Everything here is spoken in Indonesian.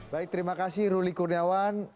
baik terima kasih ruli kurniawan